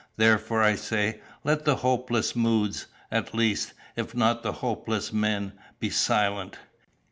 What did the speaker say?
Therefore, I say, let the hopeless moods, at least, if not the hopeless men, be silent.